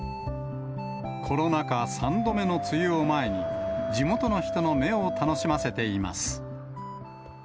コロナ禍３度目の梅雨を前に、地元の人の目を楽しませています。